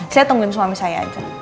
saya tungguin suami saya aja